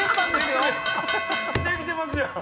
できてますやん！